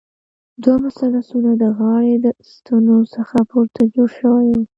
دوه مثلثونه د غاړې د ستنو څخه پورته جوړ شوي وو.